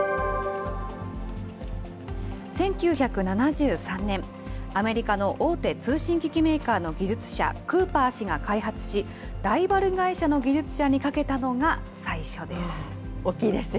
１９７３年、アメリカの大手通信機器メーカーの技術者、クーパー氏が開発し、ライバル会社の技術者にかけたのが最初です。